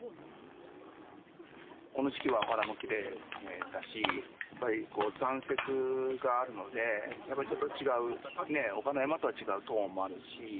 この時期はお花もきれいだしやっぱりこう残雪があるのでやっぱりちょっと違うね他の山とは違うトーンもあるし。